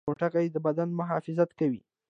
پوټکی د بدن محافظت کوي